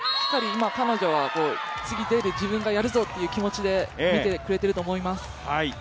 今彼女は次出て自分がやるぞという気持ちで見てくれていると思います。